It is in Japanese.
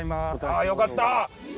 あぁよかった！